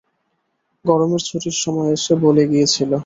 গরমের ছুটির সময় এসে বলে গিয়েছিল।